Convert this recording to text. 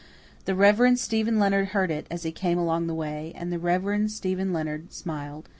The Reverend Stephen Leonard heard it, as he came along the way, and the Reverend Stephen Leonard smiled.